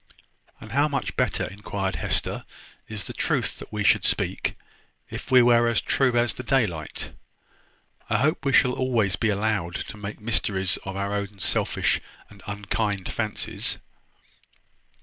"And how much better," inquired Hester, "is the truth that we should speak, if we were as true as the daylight? I hope we shall always be allowed to make mysteries of our own selfish and unkind fancies.